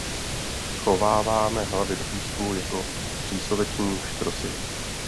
Schováváme hlavy do písku jako přísloveční pštrosi.